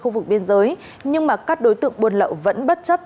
vụ biên giới nhưng mà các đối tượng buôn lậu vẫn bất chấp